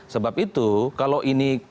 sebab itu kalau ini